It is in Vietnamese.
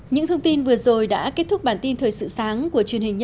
những thông tin vừa rồi đã kết thúc bản tin thời sự sáng của truyền hình nhân dân